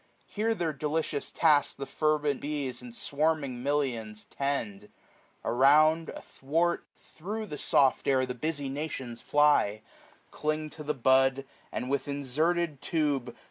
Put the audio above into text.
Here their delicious task the fervent bees, 505 In swarming millions, tend : Around, athwart. Thro* the soft air, the busy nations fly 5 Cling to the bud, and with inserted lube.